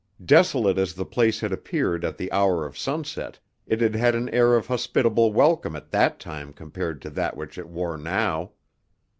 Desolate as the place had appeared at the hour of sunset, it had had an air of hospitable welcome at that time compared to that which it wore now.